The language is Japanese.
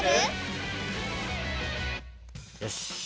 よし。